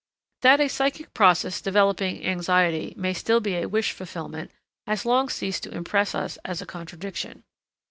That a psychic process developing anxiety may still be a wish fulfillment has long ceased to impress us as a contradiction.